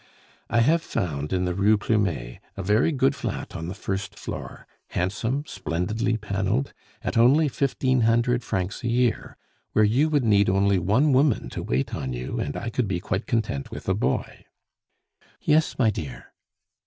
"I have found in the Rue Plumet a very good flat on the first floor, handsome, splendidly paneled, at only fifteen hundred francs a year, where you would only need one woman to wait on you, and I could be quite content with a boy." "Yes, my dear."